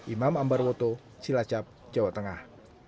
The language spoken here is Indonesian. imam ambarwoto cilacap jawa tengah